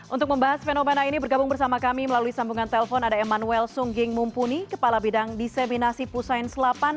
untuk membahas fenomena ini bergabung bersama kami melalui sambungan telpon ada emmanuel sungging mumpuni kepala bidang diseminasi pusain selapan